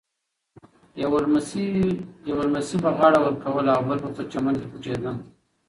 یوه لمسي به غاړه ورکوله او بل به په چمن کې پټېده.